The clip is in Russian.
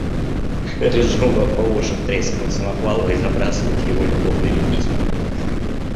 Рыжова по уши втрескалась в Самохвалова и забрасывает его любовными письмами!